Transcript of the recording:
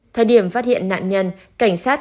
thời điểm phát hiện nạn nhân cảnh sát